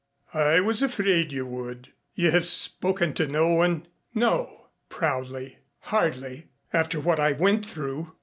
"I was afraid you would. You have spoken to no one." "No," proudly. "Hardly. After what I went through."